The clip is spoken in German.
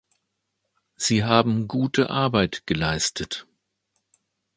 Sie haben gute Arbeit geleistet.